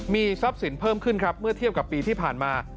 มีทรัพย์สินเพิ่มขึ้นครับเมื่อเทียบกับปีที่ผ่านมา